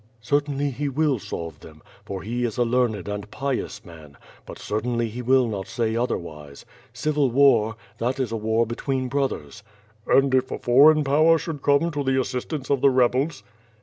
"Certainly he will solve them, for he is a learned and pious man; but certainly he will not say otherwise. Civil war, that it a war between brothers." "And if a foreign power should come to the assistance of the rebels!"